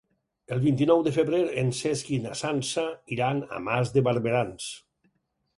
El vint-i-nou de febrer en Cesc i na Sança iran a Mas de Barberans.